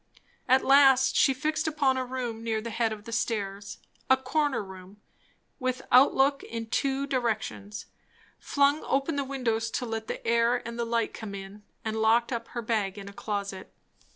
At last she fixed upon a room near the head of the stairs; a corner room, with outlook in two directions; flung open the windows to let the air and the light come, in; and locked up her bag in a closet.